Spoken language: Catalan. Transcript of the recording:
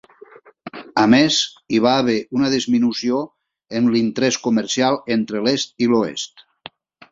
A més, hi va haver una disminució en l'interès comercial entre l'est i l'oest.